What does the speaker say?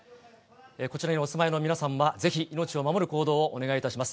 こちらにお住まいの皆さんは、ぜひ命を守る行動をお願いいたします。